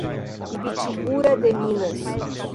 Ibitiúra de Minas